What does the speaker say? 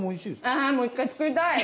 ああもう一回作りたい！